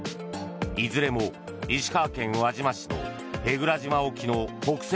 いずれも石川県輪島市の舳倉島沖の北西